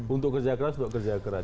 untuk kerja keras untuk kerja keras